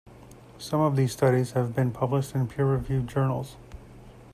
Some of these studies have been published in peer-reviewed journals.